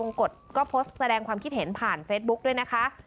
กฎก็โพสต์แสดงความคิดเห็นผ่านเฟซบุ๊กด้วยนะคะ